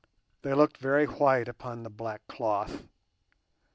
They looked very white upon the black cloth!